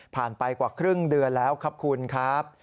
ไปกว่าครึ่งเดือนแล้วครับคุณครับ